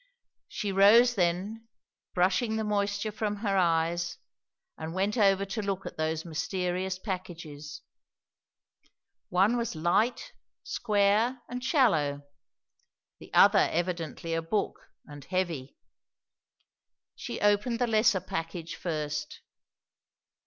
She rose then, brushing the moisture from her eyes, and went over to look at those mysterious packages. One was light, square, and shallow; the other evidently a book, and heavy. She opened the lesser package first.